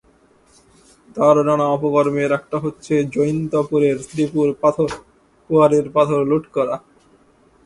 তাঁর নানা অপকর্মের একটা হচ্ছে জৈন্তাপুরের শ্রীপুর পাথর কোয়ারির পাথর লুট করা।